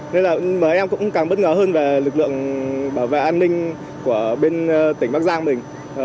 nên là em cũng càng bất ngờ hơn về lực lượng bảo vệ an ninh của bên tỉnh bắc giang mình